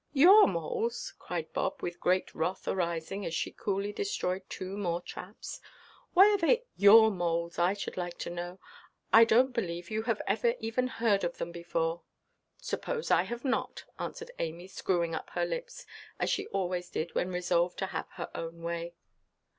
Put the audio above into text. "Your moles!" cried Bob, with great wrath arising, as she coolly destroyed two more traps; "why are they your moles, I should like to know? I donʼt believe you have ever even heard of them before." "Suppose I have not?" answered Amy, screwing up her lips, as she always did when resolved to have her own way.